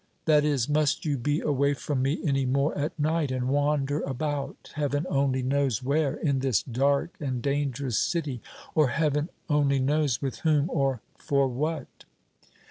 That is, must you be away from me any more at night, and wander about, Heaven only knows where, in this dark and dangerous city, or Heaven only knows with whom or for what?"